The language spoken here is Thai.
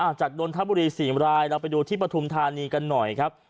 จากนนทบุรีสี่รายเราไปดูที่ปฐุมธานีกันหน่อยครับ